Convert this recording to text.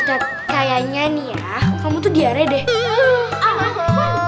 tuh kayaknya nih ya kamu tuh diare deh